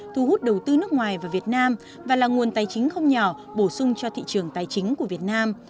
thu hút đầu tư nước ngoài vào việt nam và là nguồn tài chính không nhỏ bổ sung cho thị trường tài chính của việt nam